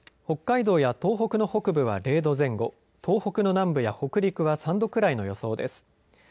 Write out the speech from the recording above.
北海道や東北の北部は０度前後、東北の南部や北陸は３度くらいの予想です。